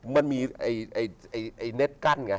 มันมีไอ้เน็ตกั้นไง